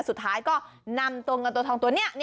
สุดท้ายก็นำตัวเงินตัวทองตัวนี้